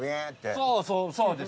そうそうそうです。